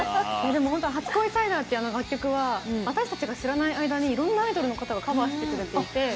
でも「初恋サイダー」っていう楽曲は私たちが知らない間にいろんなアイドルの方がカバーしてくれていて。